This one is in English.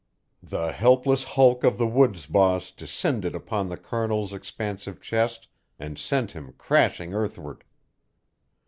The helpless hulk of the woods boss descended upon the Colonel's expansive chest and sent him crashing earthward.